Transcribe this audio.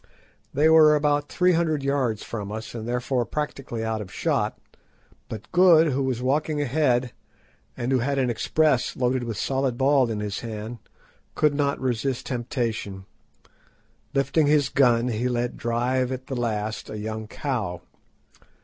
They were about three hundred yards from us, and therefore practically out of shot, but Good, who was walking ahead, and who had an express loaded with solid ball in his hand, could not resist temptation. Lifting his gun, he let drive at the last, a young cow.